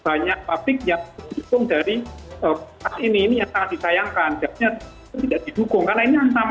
tidak didukung karena ini yang sama